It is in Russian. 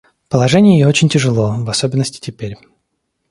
Положение ее очень тяжело, в особенности теперь.